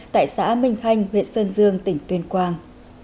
tại xã minh thanh huyện sơn dương tỉnh tuyên quang